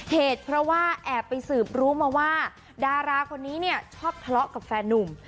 เหตุเพราะว่าแอบไปสืบรู้มาว่าดาราคนนี้เนี่ยชอบทะเลาะกับแฟนนุ่ม